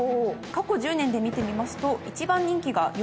過去１０年で見てみますと１番人気が４勝。